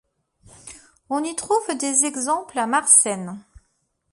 On y trouve des exemples à Maarssen.